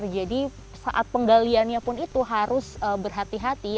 jadi saat penggaliannya pun itu harus berhati hati